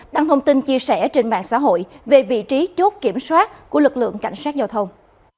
đăng thông tin chia sẻ trên mạng xã hội về vị trí chốt kiểm soát của lực lượng cảnh sát giao thông